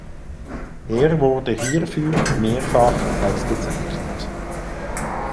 Er wurde hierfür mehrfach ausgezeichnet.